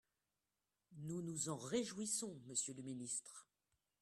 Nous nous en réjouissons, monsieur le ministre.